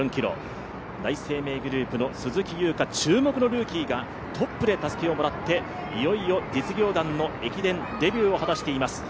第一生命グループの鈴木優花、注目のルーキーがトップでたすきをもらっていよいよ実業団駅伝デビューを果たしています。